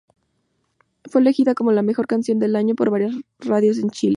Fue elegida como la mejor canción del año por varias radios en Chile.